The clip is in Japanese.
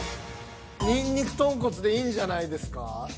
にんにく豚骨でいいんじゃないですか？